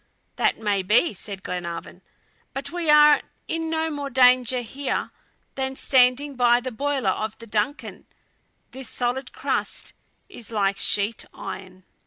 "That may be," said Glenarvan, "but we are in no more danger here than standing by the boiler of the DUNCAN; this solid crust is like sheet iron."